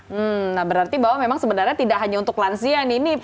hmm nah berarti bahwa memang sebenarnya tidak hanya untuk lansia nih